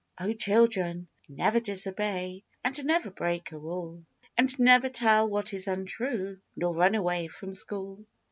Oh, children, never disobey, And never break a rule, And never tell what is untrue, Nor run away from school.